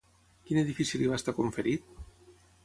Quin edifici li va estar conferit?